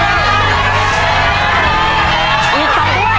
อีกสองด้วยเร็วเร็วเร็วทองด้วย